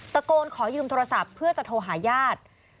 ขอยืมโทรศัพท์เพื่อจะโทรหาญาติ